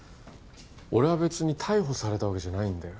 俺は別に逮捕されたわけじゃないんだよ